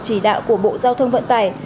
chỉ đạo của bộ giao thông vận tải